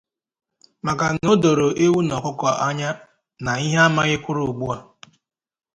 maka na o doro ewu na ọkụkọ anya na ihe amaghị kwụrụ ugbu a.